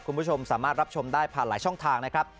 คุณผู้ชมสามารถรับชมได้ผ่านหลายช่องทางนะครับ